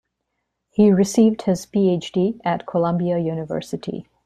He received his PhD at Columbia University.